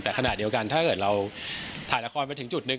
แต่ขณะเดียวกันถ้าเกิดเราถ่ายละครไปถึงจุดหนึ่ง